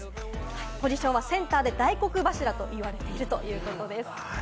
ポジションはセンターで大黒柱を担っているということです。